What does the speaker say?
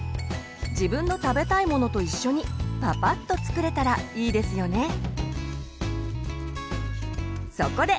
自分の食べたいものと一緒にパパッと作れたらいいですよね。